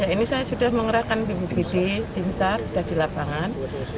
ini saya sudah mengerahkan bubd timsar sudah di lapangan